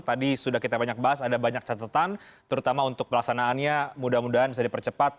tadi sudah kita banyak bahas ada banyak catatan terutama untuk pelaksanaannya mudah mudahan bisa dipercepat